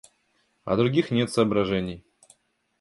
А других нет соображений.